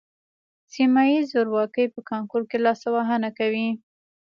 سیمه ییز زورواکي په کانکور کې لاسوهنه کوي